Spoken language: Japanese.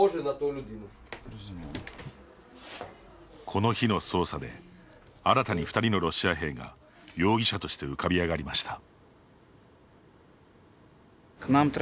この日の捜査で新たに２人のロシア兵が容疑者として浮かび上がりました。